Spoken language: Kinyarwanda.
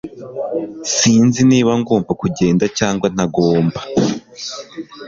Sinzi niba ngomba kugenda cyangwa ntagomba